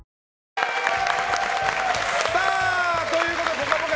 「ぽかぽか」